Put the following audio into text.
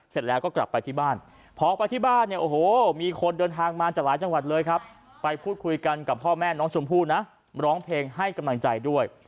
เสร็จแล้วก็กลับไปที่บ้านพอไปที่บ้านเนี่ยโอ้โหมีคนเดินทางมาจากหลายจังหวัดเลยครับไปพูดคุยกันกับพ่อแม่น้องชมพู่นะร้องเพลงให้กำลังใจด้วย